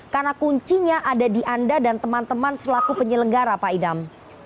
karena kuncinya ada di anda dan teman teman selaku penyelenggara pak idam